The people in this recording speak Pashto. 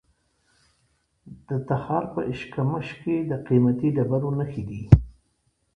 د تخار په اشکمش کې د قیمتي ډبرو نښې دي.